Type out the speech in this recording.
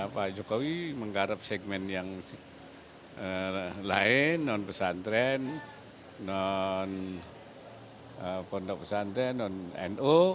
pak jokowi menggarap segmen yang lain non pesantren non pondok pesantren non nu